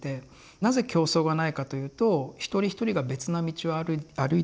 なぜ競争がないかというと一人一人が別な道を歩いているからだと。